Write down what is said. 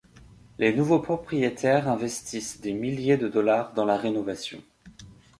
Les nouveaux propriétaires investissent des milliers de dollars dans la rénovation.